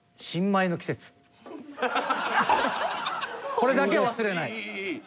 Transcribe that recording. これだけは忘れない。